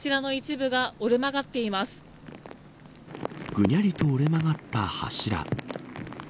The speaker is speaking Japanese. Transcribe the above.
ぐにゃりと折れ曲がった柱。